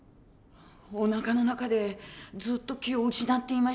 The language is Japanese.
おなかの中でずっと気を失っていました。